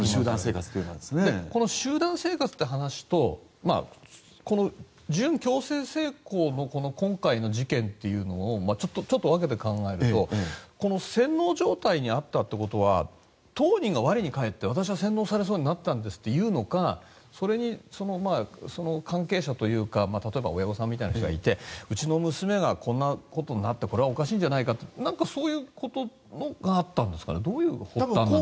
この集団生活という話と準強制性交の今回の事件っていうのを分けて考えると洗脳状態にあったってことは当人が我に返って私は洗脳されそうになったんですと言うのか関係者というか例えば親御さんみたいな人がいてうちの娘が、こんなことになってこれはおかしいんじゃないかとかそういうことがあったんですかねどうだったんでしょう。